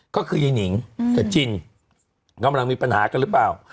ก็คือยายนิงกับจินกำลังมีปัญหากันหรือเปล่า